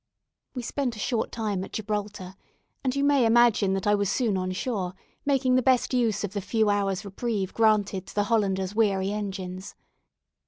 We spent a short time at Gibraltar, and you may imagine that I was soon on shore making the best use of the few hours' reprieve granted to the "Hollander's" weary engines.